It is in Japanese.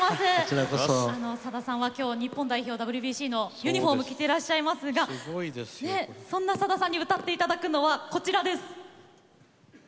さださんは、日本代表ＷＢＣのユニフォームを着ていらっしゃいますがそんなさださんに歌っていただくのはこちらです。